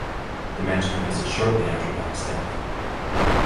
The match commences shortly after Doc's death.